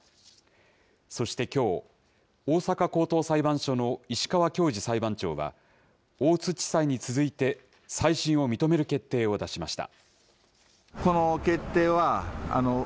そしてきょう、大阪高等裁判所の石川恭司裁判長は、大津地裁に続いて再審を認める決定を出しました。